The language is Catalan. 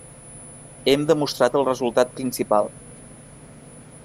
Hem demostrat el resultat principal.